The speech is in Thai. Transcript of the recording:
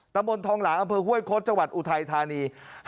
ตำบลทองหลางอำเภอห้วยโค้ดจังหวัดอุทัยธานี